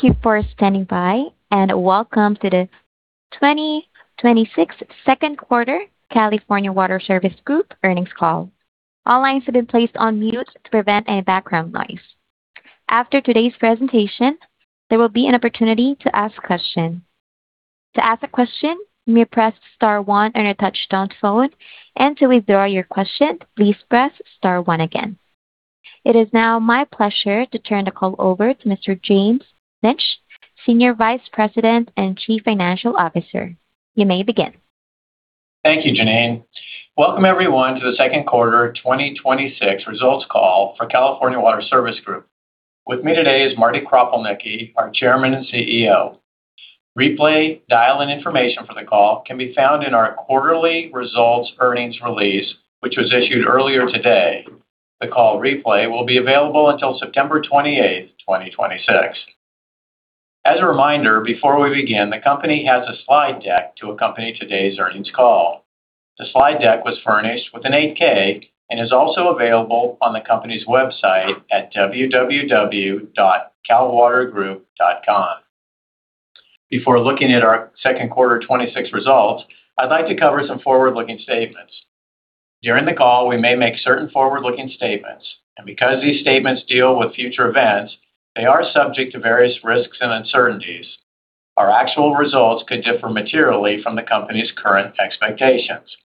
Thank you for standing by, and welcome to the 2026 second quarter California Water Service Group earnings call. All lines have been placed on mute to prevent any background noise. After today's presentation, there will be an opportunity to ask questions. To ask a question, you may press star one on your touch-tone phone, and to withdraw your question, please press star one again. It is now my pleasure to turn the call over to Mr. James Lynch, Senior Vice President and Chief Financial Officer. You may begin. Thank you, Janine. Welcome everyone to the second quarter 2026 results call for California Water Service Group. With me today is Marty Kropelnicki, our Chairman and CEO. Replay dial-in information for the call can be found in our quarterly results earnings release, which was issued earlier today. The call replay will be available until September 28th, 2026. As a reminder, before we begin, the company has a slide deck to accompany today's earnings call. The slide deck was furnished with an 8-K and is also available on the company's website at www.calwatergroup.com. Before looking at our second quarter 2026 results, I'd like to cover some forward-looking statements. Beyond the call, we may make forward-looking statements. Because these statements deal with future events, they are subject to various risks and uncertainties. Our actual results could differ materially from the company's current expectations.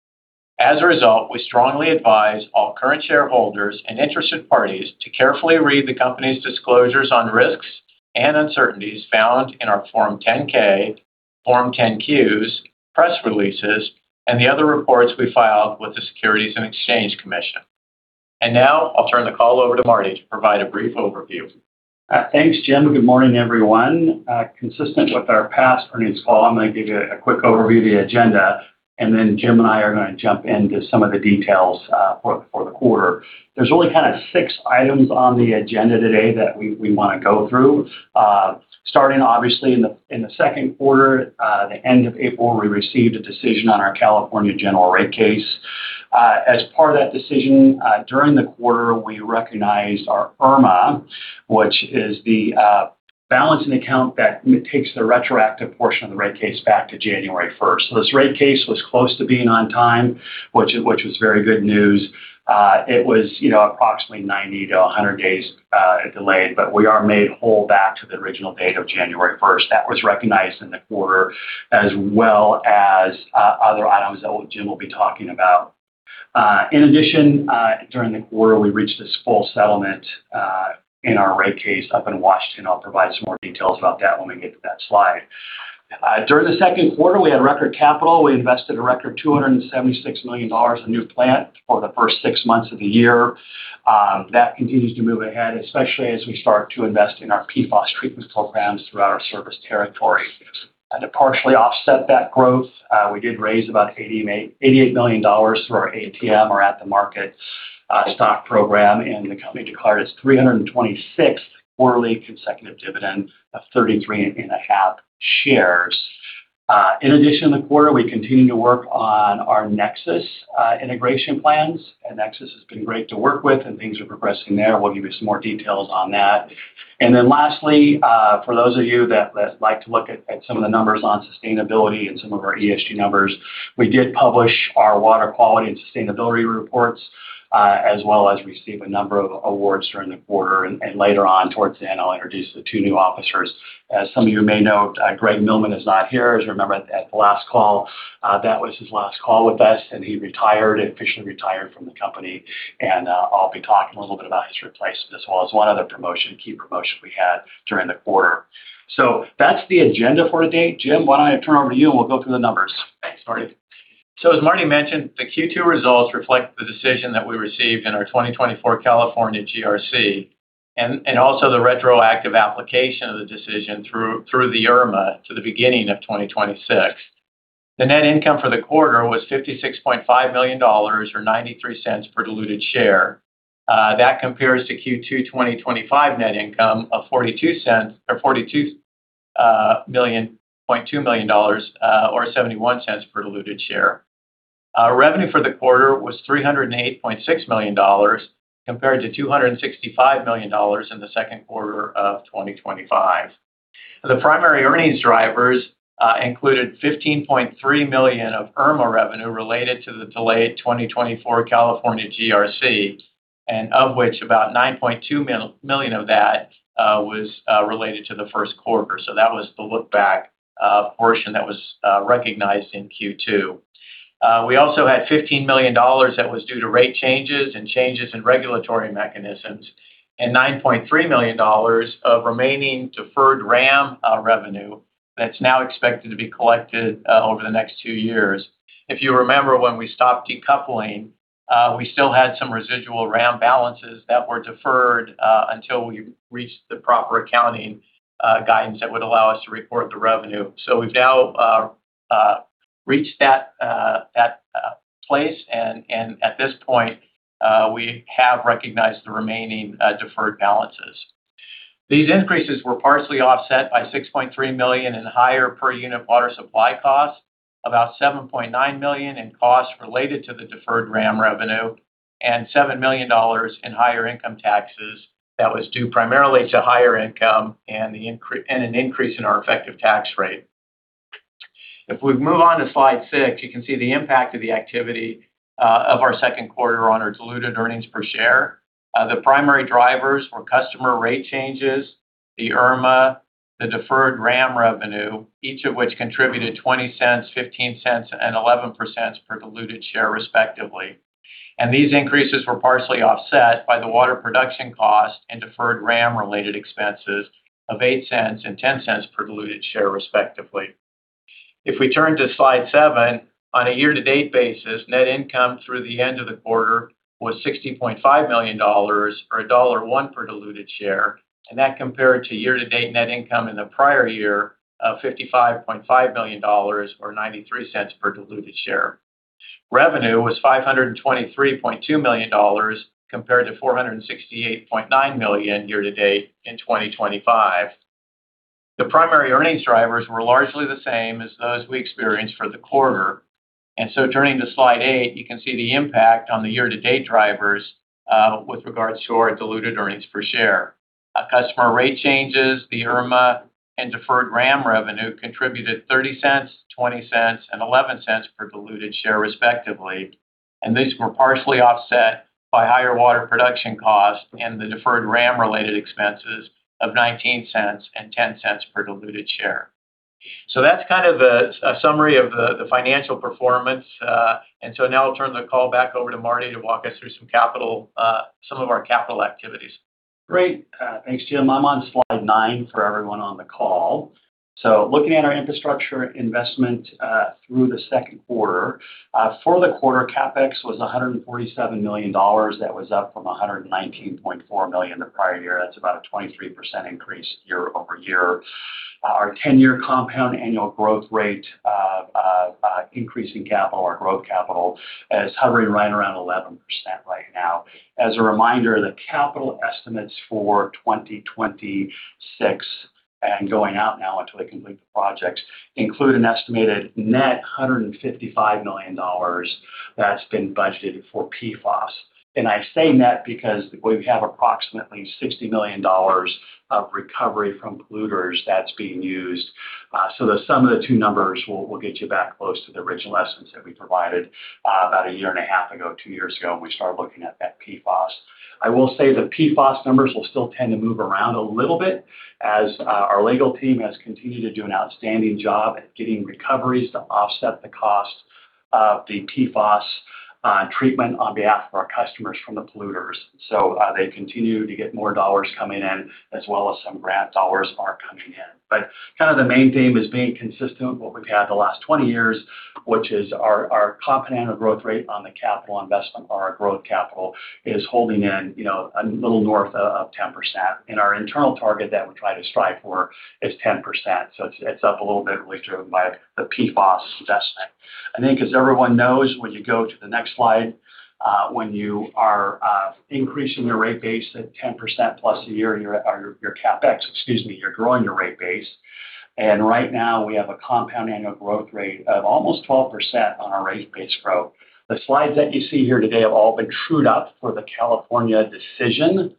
As a result, we strongly advise all current shareholders and interested parties to carefully read the company's disclosures on risks and uncertainties found in our Form 10-K, Form 10-Qs, press releases, and the other reports we file with the Securities and Exchange Commission. Now I'll turn the call over to Marty to provide a brief overview. Thanks, Jim. Good morning, everyone. Consistent with our past earnings call, I'm going to give you a quick overview of the agenda and then Jim and I are going to jump into some of the details for the quarter. There's only six items on the agenda today that we want to go through. Starting obviously in the second quarter, the end of April, we received a decision on our California general rate case. As part of that decision, during the quarter, we recognized our IRMA, which is the balancing account that takes the retroactive portion of the rate case back to January 1st. This rate case was close to being on time, which was very good news. It was approximately 90-100 days delayed, but we are made whole back to the original date of January 1st. That was recognized in the quarter as well as other items that Jim will be talking about. In addition, during the quarter, we reached full settlement in our rate case up in Washington. I will provide some more details about that when we get to that slide. During the second quarter, we had record capital. We invested a record $276 million of new plant for the first six months of the year. That continues to move ahead, especially as we start to invest in our PFAS treatment programs throughout our service territory. To partially offset that growth, we did raise about $88 million through our ATM, or at the market, stock program, and the company declared its 326th quarterly consecutive dividend of 33.5 shares. In addition, in the quarter, we continued to work on our Nexus integration plans. Nexus has been great to work with and things are progressing there. We will give you some more details on that. Lastly, for those of you that like to look at some of the numbers on sustainability and some of our ESG numbers, we did publish our water quality and sustainability reports, as well as receive a number of awards during the quarter. Later on towards the end, I will introduce the two new officers. As some of you may note, Greg Milleman is not here. As you remember at the last call, that was his last call with us, and he retired, officially retired from the company. I will be talking a little bit about his replacement as well as one other key promotion we had during the quarter. That is the agenda for today. Jim, why don't I turn over to you and we will go through the numbers. Thanks, Marty. As Marty mentioned, the Q2 results reflect the decision that we received in our 2024 California GRC and also the retroactive application of the decision through the IRMA to the beginning of 2026. The net income for the quarter was $56.5 million, or $0.93 per diluted share. That compares to Q2 2025 net income of $42 million, or $0.71 per diluted share. Revenue for the quarter was $308.6 million compared to $265 million in the second quarter of 2025. The primary earnings drivers included $15.3 million of IRMA revenue related to the delayed 2024 California GRC, and of which about $9.2 million of that was related to the first quarter. That was the look back portion that was recognized in Q2. We also had $15 million that was due to rate changes and changes in regulatory mechanisms, $9.3 million of remaining deferred WRAM revenue that's now expected to be collected over the next two years. If you remember when we stopped decoupling, we still had some residual WRAM balances that were deferred until we reached the proper accounting guidance that would allow us to report the revenue. We've now reached that place and at this point, we have recognized the remaining deferred balances. These increases were partially offset by $6.3 million in higher per unit water supply costs, about $7.9 million in costs related to the deferred WRAM revenue, and $7 million in higher income taxes that was due primarily to higher income and an increase in our effective tax rate. If we move on to slide six, you can see the impact of the activity of our second quarter on our diluted earnings per share. The primary drivers were customer rate changes, the IRMA, the deferred WRAM revenue, each of which contributed $0.20, $0.15, and $0.11 per diluted share respectively. These increases were partially offset by the water production cost and deferred WRAM related expenses of $0.08 and $0.10 per diluted share respectively. If we turn to slide seven, on a year-to-date basis, net income through the end of the quarter was $60.5 million or $1.01 per diluted share, that compared to year-to-date net income in the prior year of $55.5 million or $0.93 per diluted share. Revenue was $523.2 million compared to $468.9 million year-to-date in 2025. The primary earnings drivers were largely the same as those we experienced for the quarter. Turning to slide eight, you can see the impact on the year-to-date drivers with regards to our diluted earnings per share. Customer rate changes, the IRMA, and deferred WRAM revenue contributed $0.30, $0.20, and $0.11 per diluted share respectively. These were partially offset by higher water production costs and the deferred WRAM related expenses of $0.19 and $0.10 per diluted share. That's kind of a summary of the financial performance. Now I'll turn the call back over to Marty to walk us through some of our capital activities. Great. Thanks, Jim. I'm on slide nine for everyone on the call. Looking at our infrastructure investment through the second quarter. For the quarter, CapEx was $147 million. That was up from $119.4 million the prior year. That's about a 23% increase year-over-year. Our 10-year compound annual growth rate increase in capital or growth capital is hovering right around 11% right now. As a reminder, the capital estimates for 2026 and going out now until they complete the project include an estimated net $155 million that's been budgeted for PFAS. I say net because we have approximately $60 million of recovery from polluters that's being used. The sum of the two numbers will get you back close to the original estimates that we provided about a year and a half ago, two years ago, when we started looking at that PFAS. I will say the PFAS numbers will still tend to move around a little bit as our legal team has continued to do an outstanding job at getting recoveries to offset the cost of the PFAS treatment on behalf of our customers from the polluters. They continue to get more dollars coming in, as well as some grant dollars are coming in. The main theme is being consistent with what we've had the last 20 years, which is our compound annual growth rate on the capital investment on our growth capital is holding in a little north of 10%. Our internal target that we try to strive for is 10%, so it's up a little bit really driven by the PFAS assessment. I think because everyone knows when you go to the next slide, when you are increasing your rate base at 10%+ a year, or your CapEx, excuse me, you're growing your rate base. Right now we have a compound annual growth rate of almost 12% on our rate base growth. The slides that you see here today have all been trued up for the California decision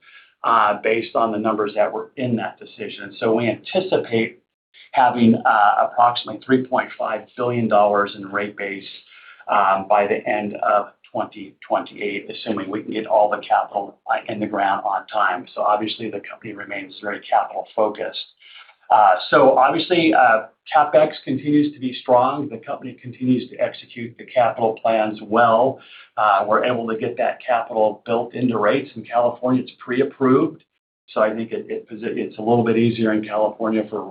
based on the numbers that were in that decision. We anticipate having approximately $3.5 billion in rate base by the end of 2028, assuming we can get all the capital in the ground on time. Obviously the company remains very capital focused. Obviously, CapEx continues to be strong. The company continues to execute the capital plans well. We're able to get that capital built into rates in California. It's pre-approved, I think it's a little bit easier in California for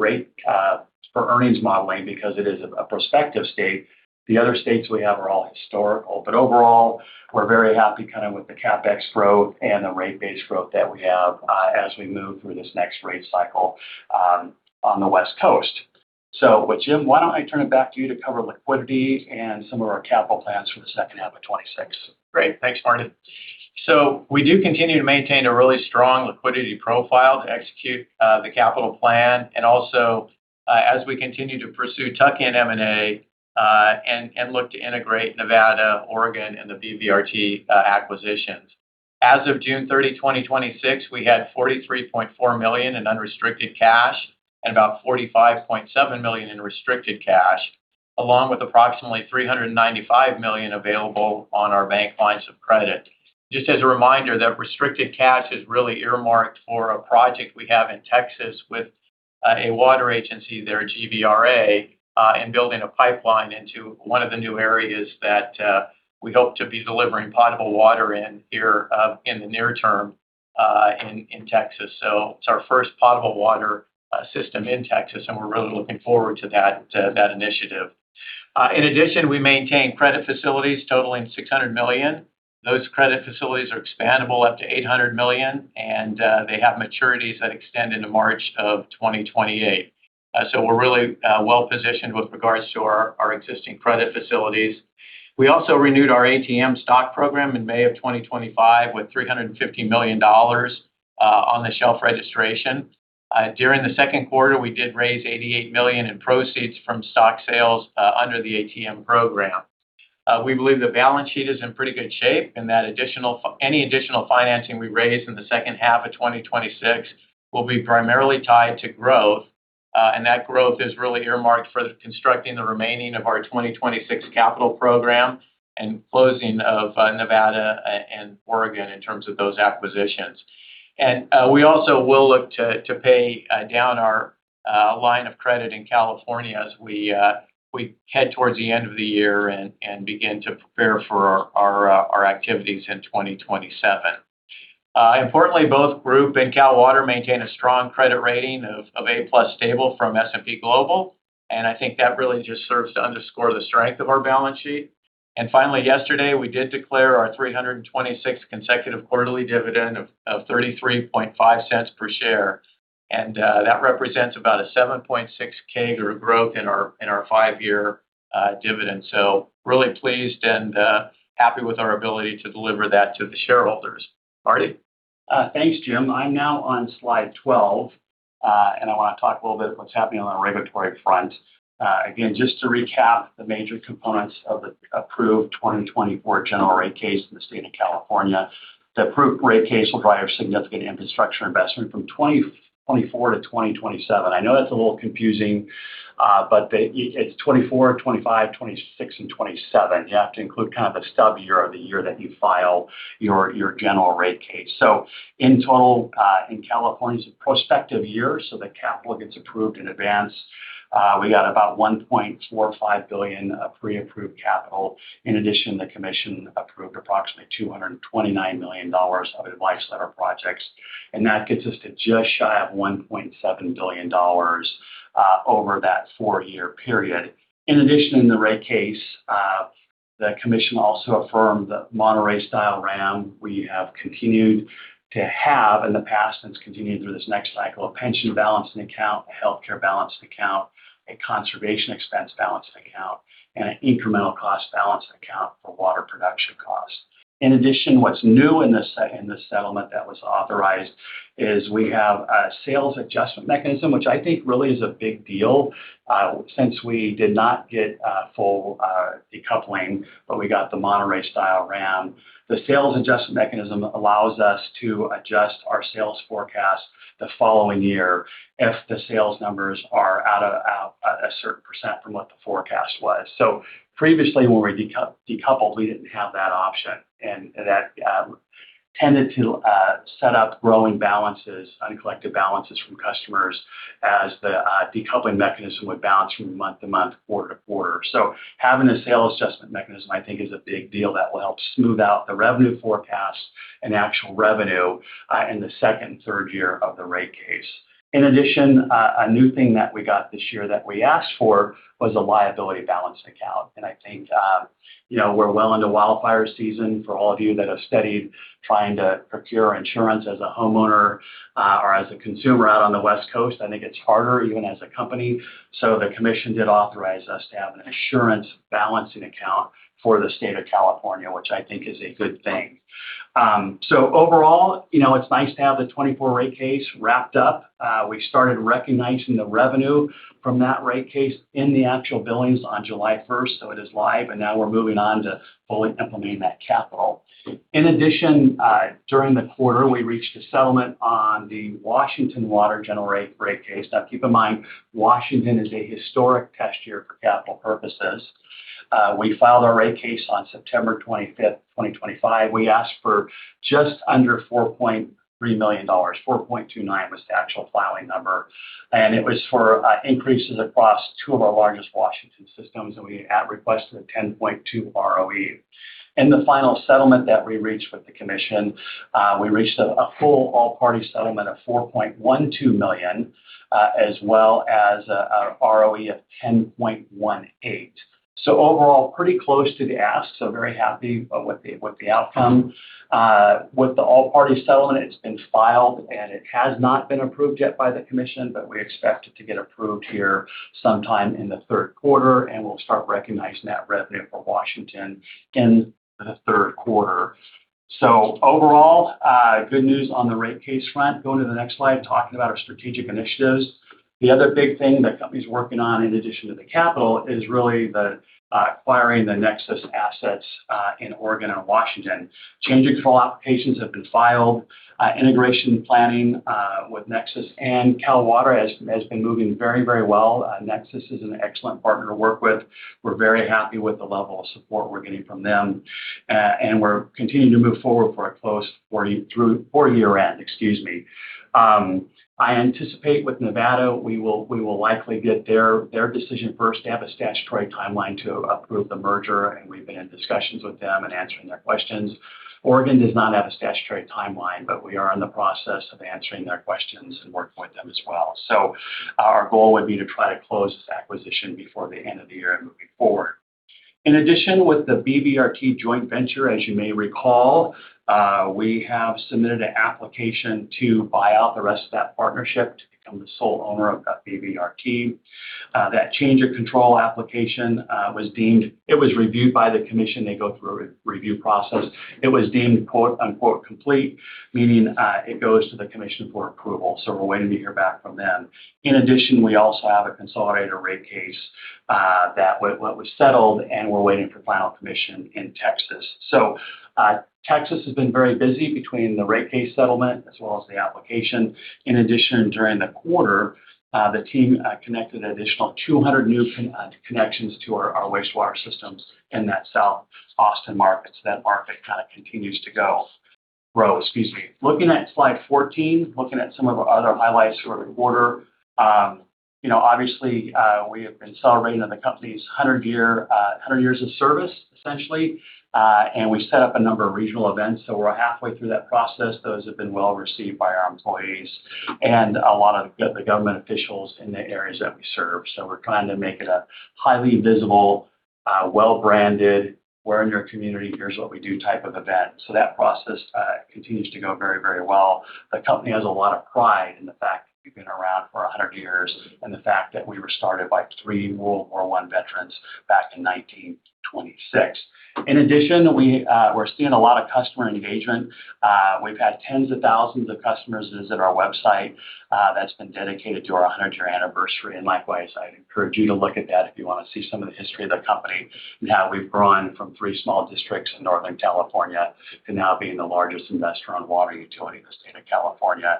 earnings modeling because it is a prospective state. The other states we have are all historical. Overall, we're very happy with the CapEx growth and the rate base growth that we have as we move through this next rate cycle on the West Coast. With Jim, why don't I turn it back to you to cover liquidity and some of our capital plans for the second half of 2026. Great. Thanks, Marty. We do continue to maintain a really strong liquidity profile to execute the capital plan and also as we continue to pursue tuck-in M&A and look to integrate Nevada, Oregon, and the BVRT acquisitions. As of June 30, 2026, we had $43.4 million in unrestricted cash and about $45.7 million in restricted cash, along with approximately $395 million available on our bank lines of credit. Just as a reminder, that restricted cash is really earmarked for a project we have in Texas with a water agency there, GBRA, in building a pipeline into one of the new areas that we hope to be delivering potable water in here in the near term in Texas. It's our first potable water system in Texas, and we're really looking forward to that initiative. In addition, we maintain credit facilities totaling $600 million. Those credit facilities are expandable up to $800 million, they have maturities that extend into March of 2028. We're really well-positioned with regards to our existing credit facilities. We also renewed our ATM stock program in May of 2025 with $350 million on the shelf registration. During the second quarter, we did raise $88 million in proceeds from stock sales under the ATM program. We believe the balance sheet is in pretty good shape, and that any additional financing we raise in the second half of 2026 will be primarily tied to growth. That growth is really earmarked for constructing the remaining of our 2026 capital program and closing of Nevada and Oregon in terms of those acquisitions. We also will look to pay down our line of credit in California as we head towards the end of the year and begin to prepare for our activities in 2027. Importantly, both Group and Cal Water maintain a strong credit rating of A+ stable from S&P Global. I think that really just serves to underscore the strength of our balance sheet. Finally, yesterday, we did declare our 326th consecutive quarterly dividend of $0.335 per share, and that represents about a 7.6% growth in our five-year dividend. Really pleased and happy with our ability to deliver that to the shareholders. Marty? Thanks, Jim. I'm now on slide 12. I want to talk a little what's happening on the regulatory front. Again, just to recap the major components of the approved 2024 general rate case in the state of California. The approved rate case will drive significant infrastructure investment from 2024 to 2027. I know that's a little confusing, but it's 2024, 2025, 2026, and 2027. You have to include kind of a stub year of the year that you file your general rate case. In total, in California's prospective year, the capital gets approved in advance, we got about $1.45 billion of pre-approved capital. In addition, the commission approved approximately $229 million of advice letter projects, and that gets us to just shy of $1.7 billion over that four-year period. In addition, in the rate case, the commission also affirmed the Monterey-style WRAM. We have continued to have in the past, and it's continued through this next cycle, a pension balancing account, a healthcare balancing account, a conservation expense balancing account, and an incremental cost balancing account for water production costs. In addition, what's new in this settlement that was authorized is we have a sales adjustment mechanism, which I think really is a big deal since we did not get full decoupling, but we got the Monterey-style WRAM. The sales adjustment mechanism allows us to adjust our sales forecast the following year if the sales numbers are out a certain percent from what the forecast was. Previously when we decoupled, we didn't have that option and that tended to set up growing balances, uncollected balances from customers as the decoupling mechanism would balance from month to month, quarter to quarter. Having a sales adjustment mechanism, I think, is a big deal that will help smooth out the revenue forecast and actual revenue in the second and third year of the rate case. In addition, a new thing that we got this year that we asked for was a liability balancing account. I think we're well into wildfire season. For all of you that have studied trying to procure insurance as a homeowner or as a consumer out on the West Coast, I think it's harder even as a company. The commission did authorize us to have an insurance balancing account for the State of California, which I think is a good thing. Overall, it's nice to have the 2024 rate case wrapped up. We started recognizing the revenue from that rate case in the actual billings on July 1st, so it is live, and now we're moving on to fully implementing that capital. In addition, during the quarter, we reached a settlement on the Washington Water General Rate Case. Keep in mind, Washington is a historic test year for capital purposes. We filed our rate case on September 25th, 2025. We asked for just under $4.3 million. $4.29 million was the actual filing number. It was for increases across two of our largest Washington systems, and we had requested a 10.2% ROE. In the final settlement that we reached with the commission, we reached a full all-party settlement of $4.12 million, as well as an ROE of 10.18%. Overall, pretty close to the ask, so very happy with the outcome. With the all-party settlement, it's been filed, it has not been approved yet by the commission, we expect it to get approved here sometime in the third quarter, and we'll start recognizing that revenue for Washington in the third quarter. Overall, good news on the rate case front. Going to the next slide, talking about our strategic initiatives. The other big thing the company's working on, in addition to the capital, is really the acquiring the Nexus assets in Oregon and Washington. Change in control applications have been filed. Integration planning with Nexus and Cal Water has been moving very well. Nexus is an excellent partner to work with. We're very happy with the level of support we're getting from them. We're continuing to move forward before year-end. Excuse me. I anticipate with Nevada, we will likely get their decision first. They have a statutory timeline to approve the merger, we've been in discussions with them and answering their questions. Oregon does not have a statutory timeline, we are in the process of answering their questions and working with them as well. Our goal would be to try to close this acquisition before the end of the year and moving forward. In addition, with the BVRT joint venture, as you may recall, we have submitted an application to buy out the rest of that partnership to become the sole owner of that BVRT. That change of control application was reviewed by the commission. They go through a review process. It was deemed quote, unquote, "complete," meaning it goes to the commission for approval. We're waiting to hear back from them. In addition, we also have a consolidated rate case that was settled, and we're waiting for final commission in Texas. Texas has been very busy between the rate case settlement as well as the application. In addition, during the quarter, the team connected an additional 200 new connections to our wastewater systems in that South Austin market. That market continues to grow. Excuse me. Looking at slide 14, looking at some of our other highlights for the quarter. Obviously, we have been celebrating the company's 100 years of service, essentially, and we set up a number of regional events. We're halfway through that process. Those have been well received by our employees and a lot of the government officials in the areas that we serve. We're trying to make it a highly visible, well-branded, we're-in-your-community, here's-what-we-do type of event. That process continues to go very well. The company has a lot of pride in the fact that we've been around for 100 years and the fact that we were started by three World War I veterans back in 1926. In addition, we're seeing a lot of customer engagement. We've had tens of thousands of customers visit our website that's been dedicated to our 100-year anniversary. Likewise, I'd encourage you to look at that if you want to see some of the history of the company and how we've grown from three small districts in Northern California to now being the largest investor-owned water utility in the state of California,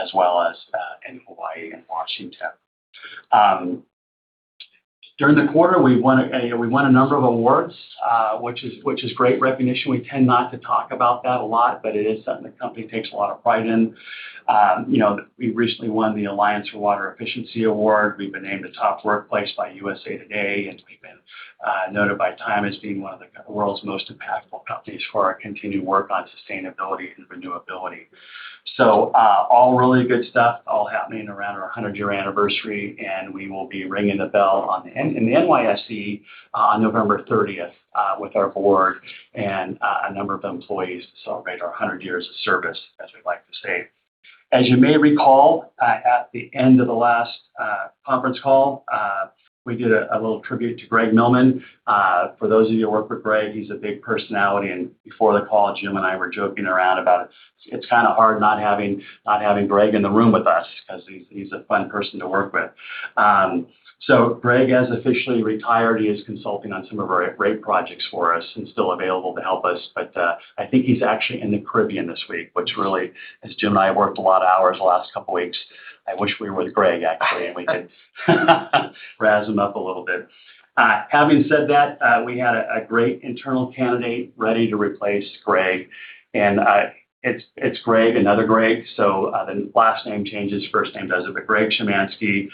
as well as in Hawaii and Washington. During the quarter, we won a number of awards, which is great recognition. We tend not to talk about that a lot, but it is something the company takes a lot of pride in. We recently won the Alliance for Water Efficiency award. We've been named a top workplace by USA Today, and we've been noted by Time as being one of the world's most impactful companies for our continued work on sustainability and renewability. All really good stuff, all happening around our 100-year anniversary, and we will be ringing the bell in the NYSE on November 30th with our board and a number of employees to celebrate our 100 years of service, as we like to say. As you may recall, at the end of the last conference call, we did a little tribute to Greg Milleman. For those of you who work with Greg, he's a big personality, and before the call, Jim and I were joking around about it. It's kind of hard not having Greg in the room with us because he's a fun person to work with. Greg has officially retired. He is consulting on some of our rate projects for us and still available to help us. I think he's actually in the Caribbean this week, which really, as Jim and I worked a lot of hours the last couple of weeks, I wish we were with Greg actually, and we could razz him up a little bit. Having said that, we had a great internal candidate ready to replace Greg. It's Greg, another Greg, so the last name changes, first name doesn't. Greg Szymanski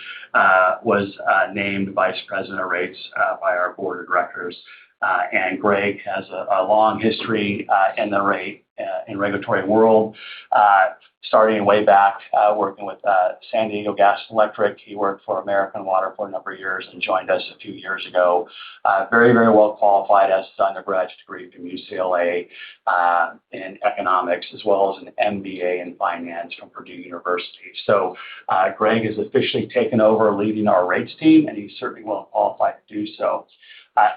was named Vice President of Rates by our board of directors. Greg has a long history in the rate, in regulatory world, starting way back working with San Diego Gas & Electric. He worked for American Water for a number of years and joined us a few years ago. Very well qualified, has his undergraduate degree from UCLA in economics, as well as an MBA in finance from Purdue University. Greg has officially taken over leading our rates team, and he's certainly well-qualified to do so.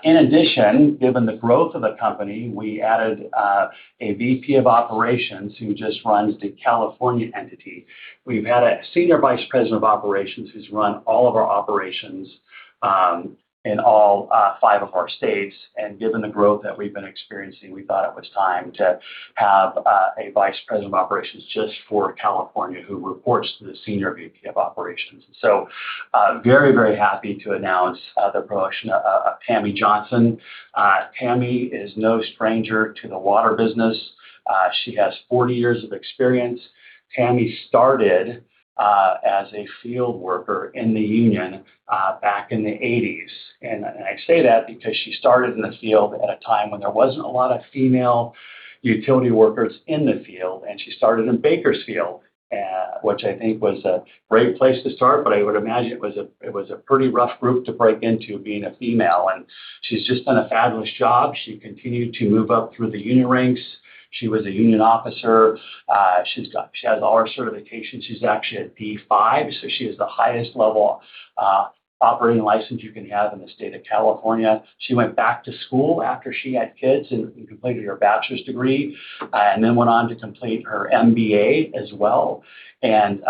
In addition, given the growth of the company, we added a Vice President of Operations who just runs the California entity. We've had a Senior Vice President of Operations who's run all of our operations in all five of our states. Given the growth that we've been experiencing, we thought it was time to have a Vice President of Operations just for California, who reports to the Senior VP of Operations. Very happy to announce the promotion of Tammy Johnson. Tammy is no stranger to the water business. She has 40 years of experience. Tammy started as a field worker in the union back in the 1980s. I say that because she started in the field at a time when there wasn't a lot of female utility workers in the field, and she started in Bakersfield, which I think was a great place to start, but I would imagine it was a pretty rough group to break into being a female. She's just done a fabulous job. She continued to move up through the union ranks. She was a union officer. She has all her certifications. She's actually a D5, so she has the highest level operating license you can have in the state of California. She went back to school after she had kids and completed her bachelor's degree, then went on to complete her MBA as well, and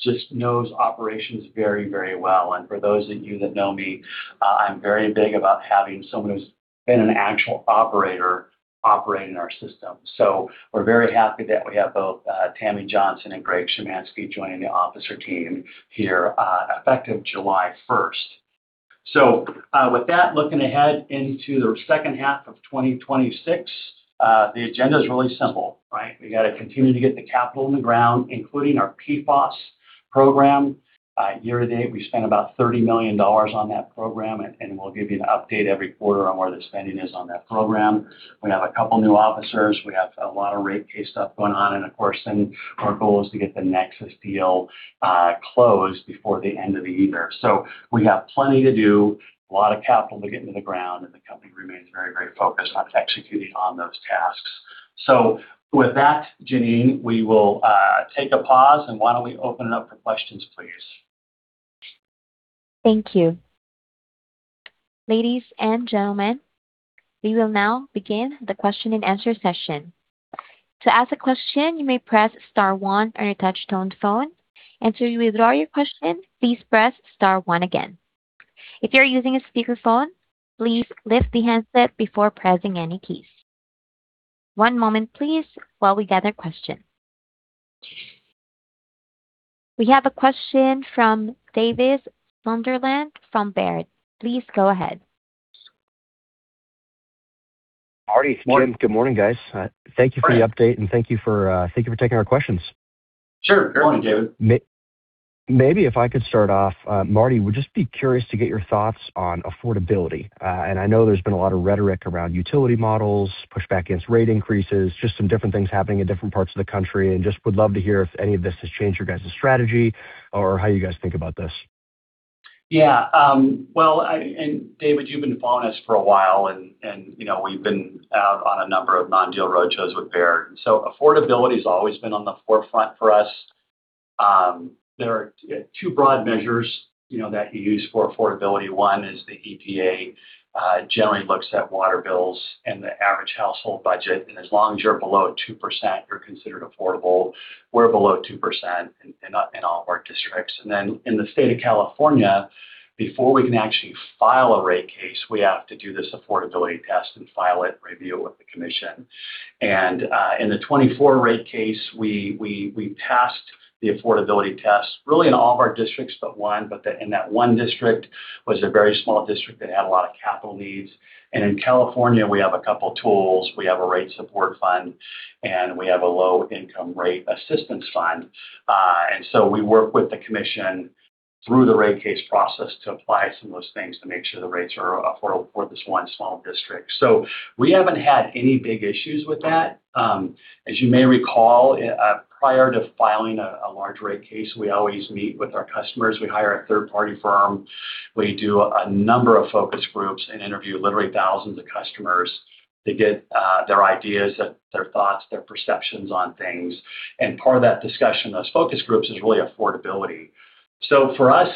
just knows operations very well. For those of you that know me, I'm very big about having someone who's been an actual operator operating our system. We're very happy that we have both Tammy Johnson and Greg Szymanski joining the officer team here effective July 1st. With that, looking ahead into the second half of 2026, the agenda is really simple, right? We got to continue to get the capital in the ground, including our PFAS program. Year to date, we spent about $30 million on that program, and we'll give you an update every quarter on where the spending is on that program. We have a couple new officers. We have a lot of rate case stuff going on. Of course, then our goal is to get the Nexus deal closed before the end of the year. We have plenty to do, a lot of capital to get into the ground, and the company remains very focused on executing on those tasks. With that, Janine, we will take a pause, and why don't we open it up for questions, please? Thank you. Ladies and gentlemen, we will now begin the question and answer session. To ask a question, you may press star one on your touchtone phone, and to withdraw your question, please press star one again. If you're using a speakerphone, please lift the handset before pressing any keys. One moment please while we gather questions. We have a question from Davis Sunderland from Baird. Please go ahead. Marty, Jim, good morning, guys. Morning. Thank you for the update and thank you for taking our questions. Sure. Good morning, Davis. Maybe if I could start off, Marty, would just be curious to get your thoughts on affordability. I know there's been a lot of rhetoric around utility models, pushback against rate increases, just some different things happening in different parts of the country, just would love to hear if any of this has changed your guys' strategy or how you guys think about this. Yeah. Well, David, you've been following us for a while, we've been out on a number of non-deal roadshows with Baird. Affordability's always been on the forefront for us. There are two broad measures that you use for affordability. One is the EPA, generally looks at water bills and the average household budget, as long as you're below 2%, you're considered affordable. We're below 2% in all of our districts. Then in the state of California, before we can actually file a rate case, we have to do this affordability test and file it and review it with the commission. In the 2024 rate case, we passed the affordability test really in all of our districts but one. In that one district was a very small district that had a lot of capital needs. In California, we have a couple tools. We have a Rate Support Fund and we have a Low Income Rate Assistance Fund. We work with the commission through the rate case process to apply some of those things to make sure the rates are affordable for this one small district. We haven't had any big issues with that. As you may recall, prior to filing a large rate case, we always meet with our customers. We hire a third-party firm. We do a number of focus groups and interview literally thousands of customers to get their ideas, their thoughts, their perceptions on things. Part of that discussion in those focus groups is really affordability. For us,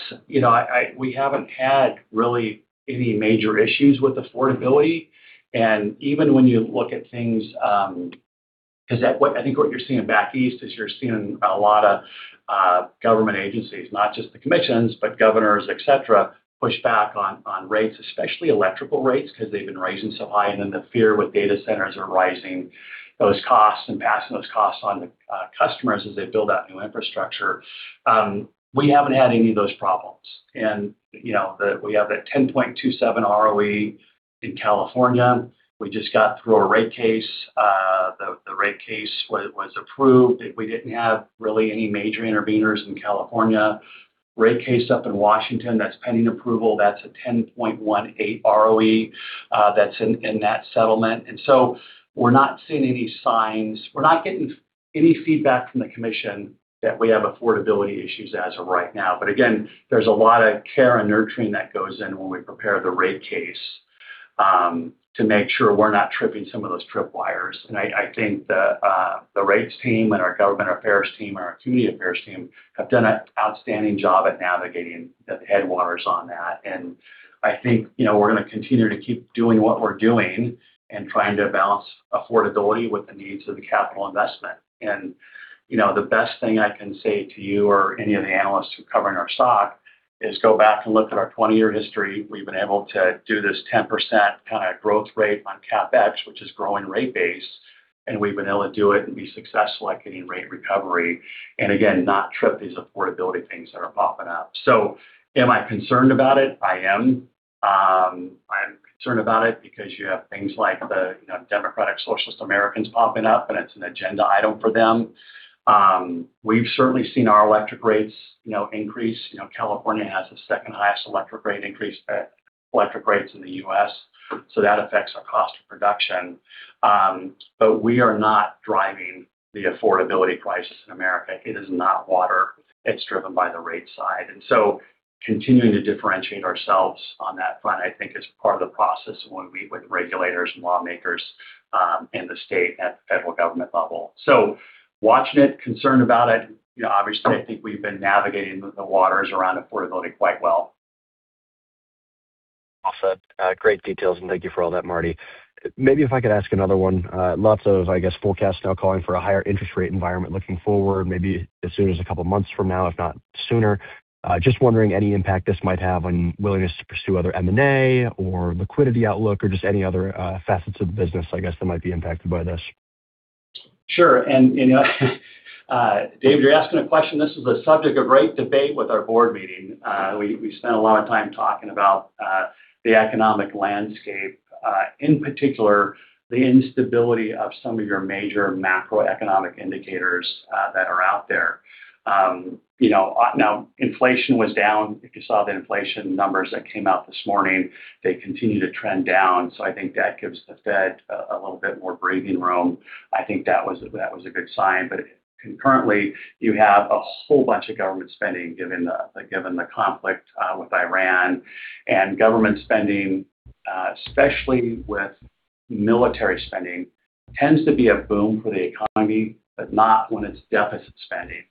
we haven't had really any major issues with affordability. Even when you look at things, what you're seeing back east is you're seeing a lot of government agencies, not just the commissions, but governors, et cetera, push back on rates, especially electrical rates, because they've been rising so high, then the fear with data centers are rising those costs and passing those costs on to customers as they build out new infrastructure. We haven't had any of those problems. We have that 10.27% ROE in California. We just got through a rate case. The rate case was approved. We didn't have really any major interveners in California. Rate case up in Washington, that's pending approval. That's a 10.18% ROE. That's in that settlement. We're not seeing any signs. We're not getting any feedback from the commission that we have affordability issues as of right now. Again, there's a lot of care and nurturing that goes in when we prepare the rate case, to make sure we're not tripping some of those trip wires. I think the rates team and our government affairs team, and our community affairs team have done an outstanding job at navigating the headwaters on that. I think we're going to continue to keep doing what we're doing and trying to balance affordability with the needs of the capital investment. The best thing I can say to you or any of the analysts who are covering our stock is go back and look at our 20-year history. We've been able to do this 10% kind of growth rate on CapEx, which is growing rate base, and we've been able to do it and be successful at getting rate recovery. Again, not trip these affordability things that are popping up. Am I concerned about it? I am. I'm concerned about it because you have things like the Democratic Socialists of America popping up, and it's an agenda item for them. We've certainly seen our electric rates increase. California has the second highest electric rate increase, electric rates in the U.S., so that affects our cost of production. We are not driving the affordability crisis in America. It is not water. It's driven by the rate side. Continuing to differentiate ourselves on that front, I think, is part of the process when we meet with regulators and lawmakers in the state and at the federal government level. Watching it, concerned about it. Obviously, I think we've been navigating the waters around affordability quite well. Awesome. Great details. Thank you for all that, Marty. Maybe if I could ask another one. Lots of, I guess, forecasts now calling for a higher interest rate environment looking forward, maybe as soon as a couple of months from now, if not sooner. Just wondering any impact this might have on willingness to pursue other M&A or liquidity outlook or just any other facets of the business, I guess, that might be impacted by this. Sure. David, you're asking a question. This is a subject of great debate with our board meeting. We spent a lot of time talking about the economic landscape, in particular, the instability of some of your major macroeconomic indicators that are out there. Inflation was down. If you saw the inflation numbers that came out this morning, they continue to trend down. I think that gives the Fed a little bit more breathing room. I think that was a good sign. Concurrently, you have a whole bunch of government spending given the conflict with Iran. Government spending, especially with military spending, tends to be a boom for the economy, but not when it's deficit spending.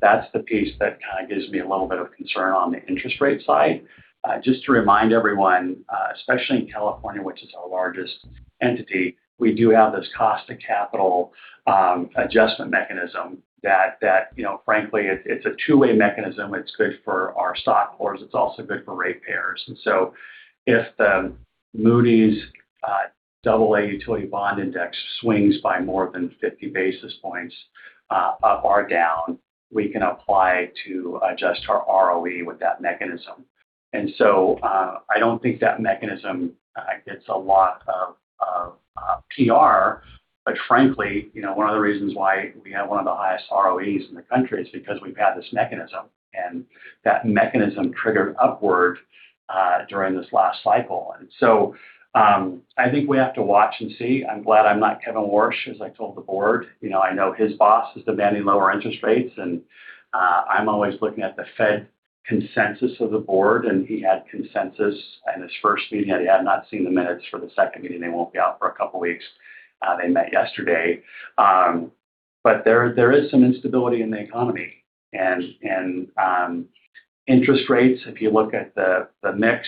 That's the piece that kind of gives me a little bit of concern on the interest rate side. Just to remind everyone, especially in California, which is our largest entity, we do have this Cost of Capital Adjustment Mechanism that frankly, it's a two-way mechanism. It's good for our stockholders. It's also good for ratepayers. If the Moody's AA utility bond index swings by more than 50 basis points up or down, we can apply to adjust our ROE with that mechanism. I don't think that mechanism gets a lot of PR, but frankly one of the reasons why we have one of the highest ROEs in the country is because we've had this mechanism, and that mechanism triggered upward during this last cycle. I think we have to watch and see. I'm glad I'm not Kevin Warsh, as I told the board. I know his boss is demanding lower interest rates, and I'm always looking at the Fed consensus of the board, and he had consensus in his first meeting, and he had not seen the minutes for the second meeting. They won't be out for a couple of weeks. They met yesterday. There is some instability in the economy and interest rates. If you look at the mix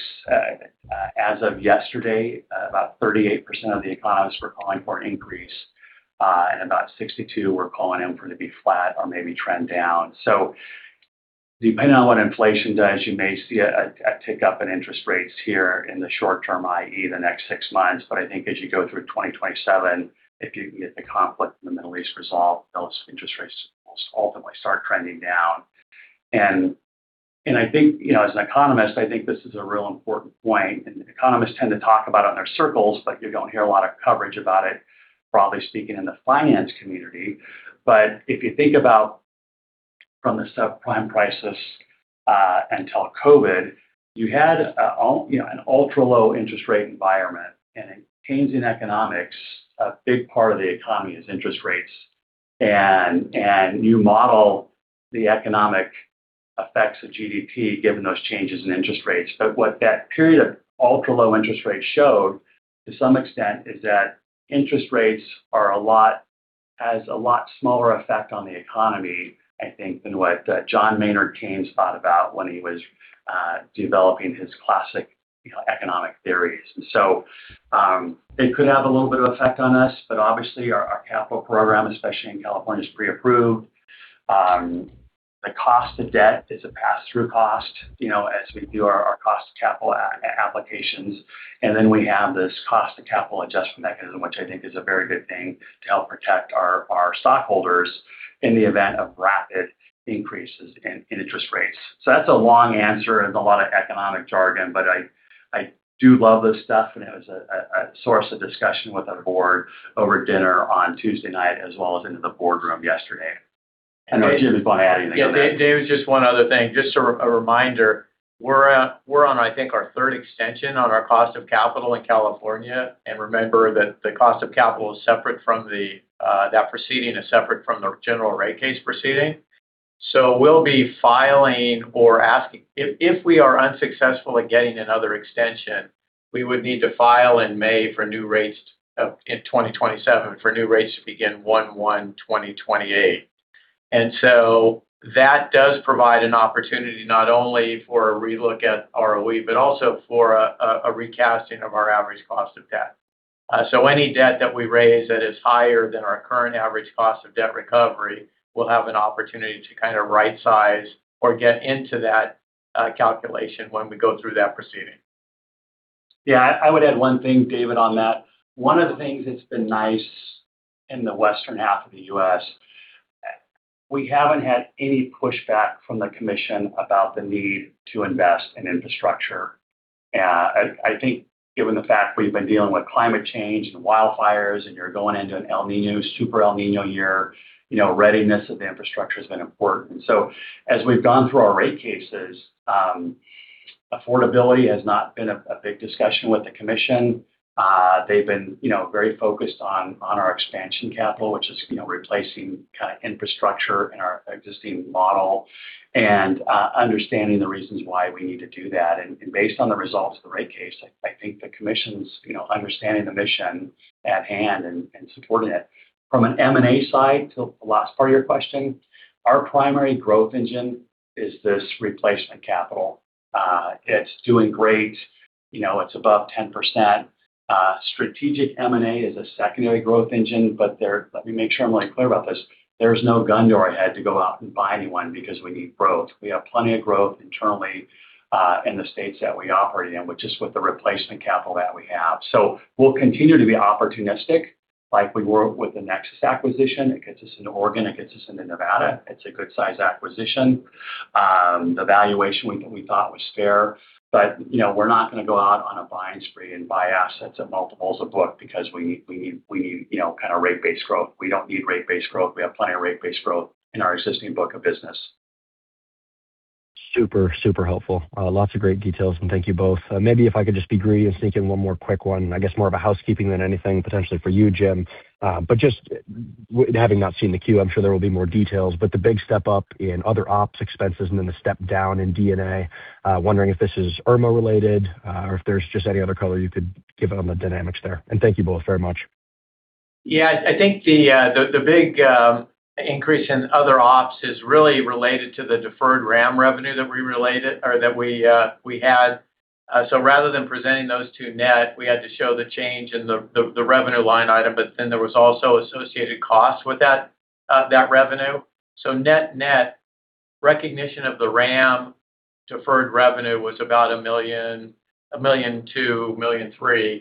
as of yesterday, about 38% of the economists were calling for an increase, and about 62% were calling in for it to be flat or maybe trend down. Depending on what inflation does, you may see a tick up in interest rates here in the short term, i.e., the next six months. I think as you go through 2027, if you can get the conflict in the Middle East resolved, those interest rates will ultimately start trending down. I think as an economist, I think this is a real important point. Economists tend to talk about it in their circles, but you don't hear a lot of coverage about it, broadly speaking, in the finance community. If you think about from the subprime crisis until COVID, you had an ultra low interest rate environment. In Keynesian economics, a big part of the economy is interest rates. You model the economic effects of GDP given those changes in interest rates. What that period of ultra low interest rates showed, to some extent, is that interest rates are a lot smaller effect on the economy, I think, than what John Maynard Keynes thought about when he was developing his classic economic theories. It could have a little bit of effect on us, but obviously our capital program, especially in California, is pre-approved. The cost of debt is a pass-through cost, as we do our cost of capital applications. Then we have this Cost of Capital Adjustment Mechanism, which I think is a very good thing to help protect our stockholders in the event of rapid increases in interest rates. That's a long answer and a lot of economic jargon, but I do love this stuff and it was a source of discussion with our board over dinner on Tuesday night as well as into the boardroom yesterday. I know Jim is going to add anything on that. Yeah. Davis, just one other thing. Just a reminder, we're on, I think, our third extension on our Cost of Capital in California. Remember that the Cost of Capital is separate. That proceeding is separate from the General Rate Case proceeding. We'll be filing or asking. If we are unsuccessful at getting another extension, we would need to file in May for new rates in 2027, for new rates to begin 1/1/2028. That does provide an opportunity not only for a relook at ROE, but also for a recasting of our average cost of debt. Any debt that we raise that is higher than our current average cost of debt recovery will have an opportunity to kind of right size or get into that calculation when we go through that proceeding. Yeah. I would add one thing, Davis, on that. One of the things that's been nice in the western half of the U.S., we haven't had any pushback from the commission about the need to invest in infrastructure. I think given the fact we've been dealing with climate change and wildfires and you're going into an El Niño, super El Niño year, readiness of infrastructure has been important. As we've gone through our rate cases, affordability has not been a big discussion with the commission. They've been very focused on our expansion capital, which is replacing kind of infrastructure in our existing model and understanding the reasons why we need to do that. Based on the results of the rate case, I think the commission's understanding the mission at hand and supporting it. From an M&A side, to the last part of your question, our primary growth engine is this replacement capital. It's doing great. It's above 10%. Strategic M&A is a secondary growth engine. Let me make sure I'm really clear about this. There's no gun to our head to go out and buy anyone because we need growth. We have plenty of growth internally in the states that we operate in, which is with the replacement capital that we have. We'll continue to be opportunistic like we were with the Nexus acquisition. It gets us into Oregon, it gets us into Nevada. It's a good-size acquisition. The valuation we thought was fair. We're not going to go out on a buying spree and buy assets at multiples of book because we need kind of rate-based growth. We don't need rate-based growth. We have plenty of rate-based growth in our existing book of business. Super helpful. Lots of great details and thank you both. Maybe if I could just be greedy and sneak in one more quick one, I guess more of a housekeeping than anything potentially for you, Jim. Just having not seen the 10-Q, I'm sure there will be more details, the big step up in other ops expenses, the step down in D&A, wondering if this is IRMA related or if there's just any other color you could give on the dynamics there. Thank you both very much. I think the big increase in other ops is really related to the deferred WRAM revenue that we had. Rather than presenting those two net, we had to show the change in the revenue line item. There was also associated costs with that revenue. Net recognition of the WRAM deferred revenue was about $1.2 million-$1.3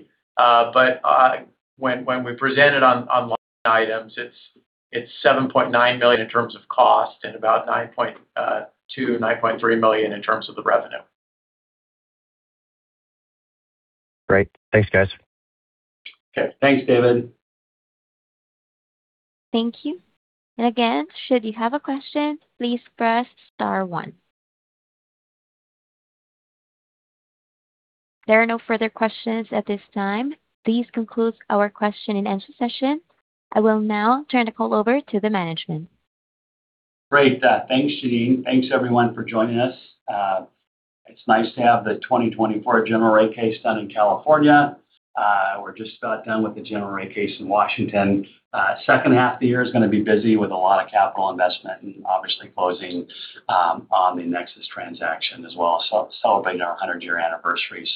million. When we present it on line items, it's $7.9 million in terms of cost and about $9.2 million-$9.3 million in terms of the revenue. Great. Thanks, guys. Okay. Thanks, Davis. Thank you. Should you have a question, please press star one. There are no further questions at this time. This concludes our question and answer session. I will now turn the call over to the management. Great. Thanks, Janine. Thanks everyone for joining us. It's nice to have the 2024 general rate case done in California. We're just about done with the general rate case in Washington. Second half of the year is going to be busy with a lot of capital investment and obviously closing on the Nexus transaction as well, celebrating our 100-year anniversary.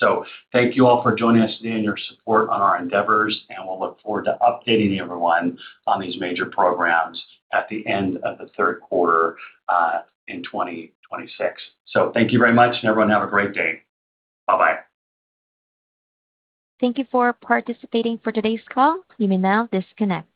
Thank you all for joining us today and your support on our endeavors, and we'll look forward to updating everyone on these major programs at the end of the third quarter in 2026. Thank you very much and everyone have a great day. Bye-bye. Thank you for participating for today's call. You may now disconnect.